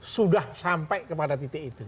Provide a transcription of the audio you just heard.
sudah sampai kepada titik itu